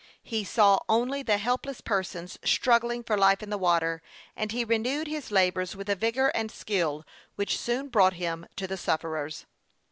He saw only the helpless persons struggling for life in the water, and he renewed his labors with a vigor and skill which soon brought him to the sufferers.